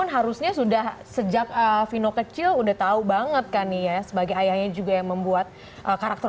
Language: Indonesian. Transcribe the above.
harusnya sudah sejak vino kecil udah tahu banget kan ya sebagai ayahnya juga yang membuat karakter